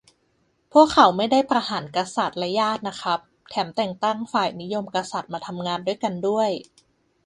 พวกเขาไม่ได้ประหารกษัตริย์และญาตินะครับ แถมแต่งตั้งฝ่ายนิยมกษัตริย์มาทำงานด้วยกันด้วย